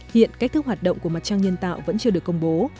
hiện cách thức hoạt động của mặt trăng nhân tạo vẫn chưa được công bố